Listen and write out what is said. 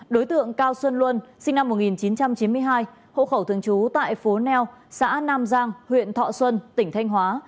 đối tượng cao xuân luân sinh năm một nghìn chín trăm chín mươi hai hộ khẩu thường trú tại phố neo xã nam giang huyện thọ xuân tỉnh thanh hóa